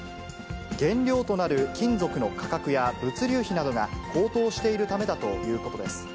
原料となる金属の価格や、物流費などが高騰しているためだということです。